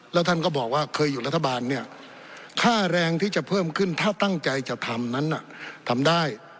แล้วท่านก็บอกว่าเคยอยู่รัฐบาลเนี่ยค่าแรงที่จะเพิ่มขึ้นถ้าตั้งใจจะทำนั้นทำได้